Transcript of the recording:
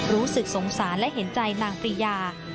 รู้สึกสงสารและเห็นใจนางปริยา